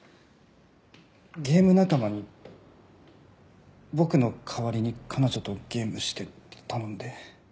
ゲーム仲間に僕の代わりに彼女とゲームしてって頼んで。